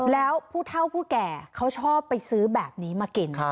แล้วผู้เท่าผู้แก่เขาชอบไปซื้อแบบนี้มากิน